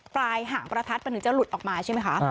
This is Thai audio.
ปลายหางประทัดมันถึงจะหลุดออกมาใช่ไหมคะ